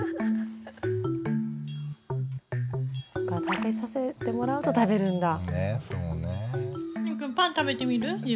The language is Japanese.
食べさせてもらうと食べるんだ。